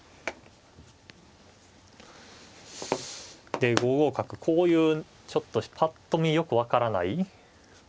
で５五角こういうちょっとぱっと見よく分からない。